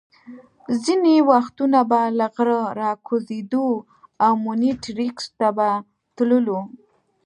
ځینې وختونه به له غره را کوزېدو او مونیټریکس ته به تللو.